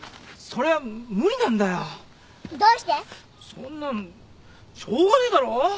そんなんしょうがねえだろ？